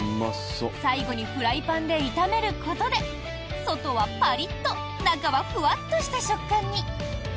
最後にフライパンで炒めることで外はパリッと中はふわっとした食感に！